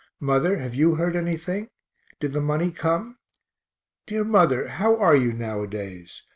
Mother, have you heard anything? did the money come? Dear mother, how are you nowadays?